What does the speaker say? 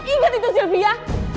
ingat itu sylvia